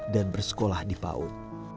dan bersekolah di paut